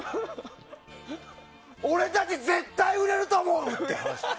俺たち絶対売れると思うって！